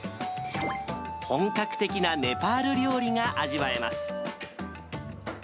本格的なネパール料理が味わえます。